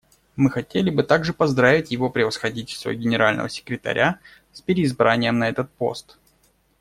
Мы хотели бы также поздравить Его Превосходительство Генерального секретаря с переизбранием на этот пост.